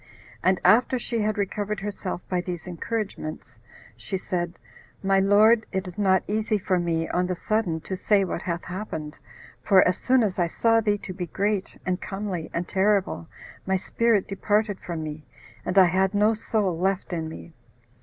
And after she had recovered herself by these encouragements, she said, "My lord, it is not easy for me, on the sudden, to say what hath happened, for as soon as I saw thee to be great, and comely, and terrible, my spirit departed from me, and I had no soul left in me."